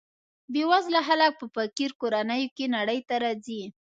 بې وزله خلک په فقیر کورنیو کې نړۍ ته راځي.